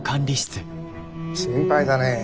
心配だねえ。